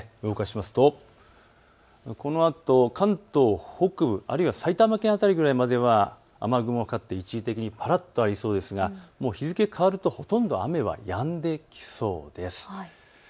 動かしますとこのあと関東北部、あるいは埼玉県辺りくらいまでは雨雲がかかって一時的にぱらっとありそうですが日付が変わるとほとんど雨はやんできそうです。